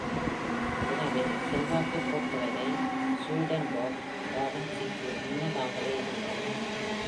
எனவே, செல்வாக்கைப் பொறுத்தவரை, Swedenborg டா வின்சிக்கு முன்னதாகவே இருந்தது.